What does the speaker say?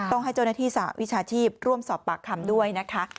ต้องให้โจรนาธิสาวิชาทีพร่วมสอบปากคำด้วยนะคะ